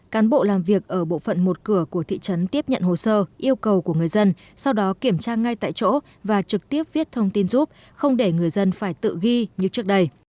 cán bộ làm việc ở bộ phận một cửa của thị trấn tiếp nhận hồ sơ yêu cầu của người dân sau đó kiểm tra ngay tại chỗ và trực tiếp viết thông tin giúp không để người dân phải tự ghi như trước đây